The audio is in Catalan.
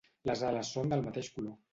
Les ales són del mateix color.